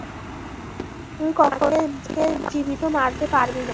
তুই কখনো আমাকে জীবিত মারতে পারবি না!